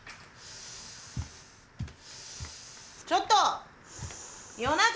ちょっと。